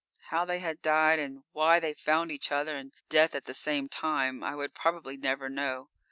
How they had died and why they found each other and death at the same time, I would probably never know.